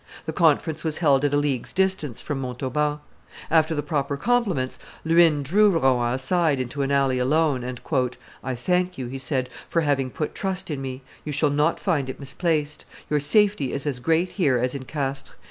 The conference was held at a league's distance from Montauban. After the proper compliments, Luynes drew Rohan aside into an alley alone, and, "I thank you," he said, "for having put trust in me; you shall not find it misplaced; your safety is as great here as in Castres.